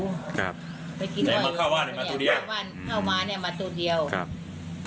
ครับไปกินอ้อยเข้ามาเนี่ยมาตัวเดียวครับ